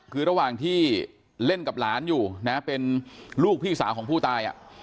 คือระหว่างที่เล่นกับหลานอยู่นะเป็นลูกพี่สาวของผู้ตาย